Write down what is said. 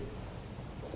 platform pertama yaitu